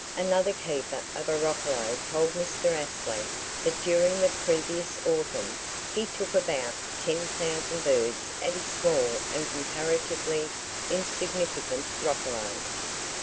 Another keeper of a roccolo told Mr. Astley that during the previous autumn he took about 10,000 birds at his small and comparatively insignificant roccolo.